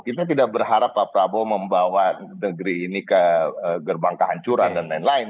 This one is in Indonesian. kita tidak berharap pak prabowo membawa negeri ini ke gerbang kehancuran dan lain lain